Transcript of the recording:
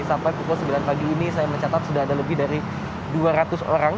sampai pukul sembilan pagi ini saya mencatat sudah ada lebih dari dua ratus orang